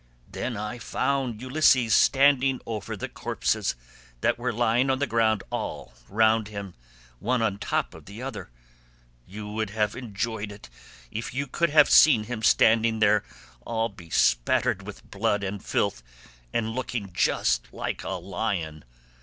Then I found Ulysses standing over the corpses that were lying on the ground all round him, one on top of the other. You would have enjoyed it if you could have seen him standing there all bespattered with blood and filth, and looking just like a lion.